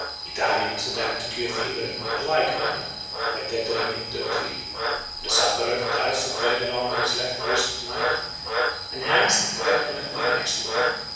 Italians attempt to cure fever in like manner by tethering it to a tree The sufferer ties a thread round his left wrist at night, and hangs the thread on a tree next morning.